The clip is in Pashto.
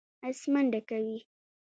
آس منډه کوي.